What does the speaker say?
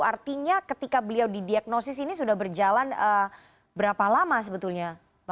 artinya ketika beliau didiagnosis ini sudah berjalan berapa lama sebetulnya